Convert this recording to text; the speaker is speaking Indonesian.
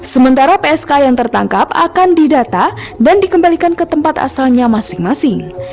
sementara psk yang tertangkap akan didata dan dikembalikan ke tempat asalnya masing masing